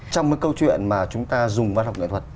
trong cái câu chuyện mà chúng ta dùng văn học nghệ thuật